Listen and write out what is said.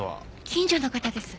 近所の方です。